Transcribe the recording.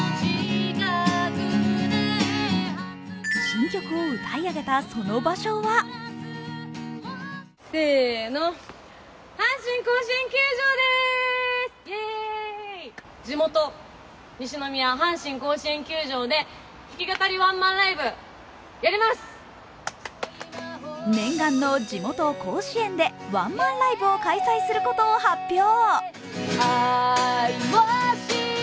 新曲を歌い上げたその場所は念願の地元・甲子園でワンマンライブを開催することを発表。